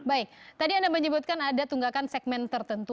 baik tadi anda menyebutkan ada tunggakan segmen tertentu